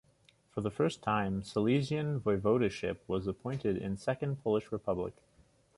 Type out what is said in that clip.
For the first time Silesian Voivodeship was appointed in Second Polish Republic.